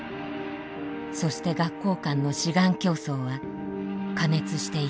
そして学校間の志願競争は過熱していった。